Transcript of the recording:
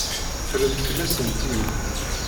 Ffrent fell-asen tidet.